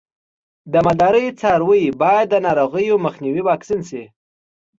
د مالدارۍ څاروی باید د ناروغیو مخنیوي واکسین شي.